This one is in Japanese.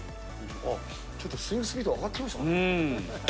ちょっとスイングスピード、上がってきましたかね。